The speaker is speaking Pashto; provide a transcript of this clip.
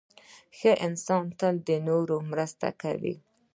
• ښه انسان تل د نورو مرسته کوي.